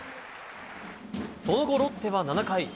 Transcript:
その後、ロッテは７回。